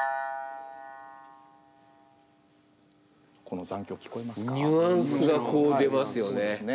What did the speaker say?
この残響聞こえますか？